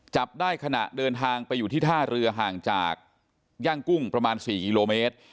จับได้ขณะเดินทางไปอยู่ที่ท่าเรือห่างจากย่างกุ้งประมาณ๔กิโลเมตร